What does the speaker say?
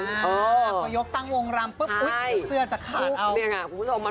พอยกตั้งวงรำปุ๊บอุ๊ยเสื้อจะขาด